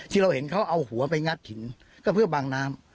ที่เราเห็นเขาเอาหัวไปงัดหินก็เพื่อบังน้ำ